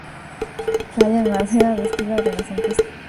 Talla en madera de estilo renacentista.